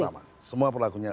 ya semua perlakuannya sama